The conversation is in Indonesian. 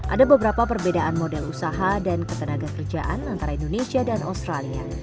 ada beberapa perbedaan model usaha dan ketenaga kerjaan antara indonesia dan australia